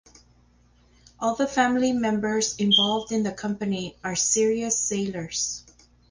All the family members involved in the company are serious sailors.